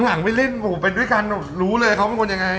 หลังไปเล่นผมไปด้วยกันรู้เลยเขาเป็นคนยังไง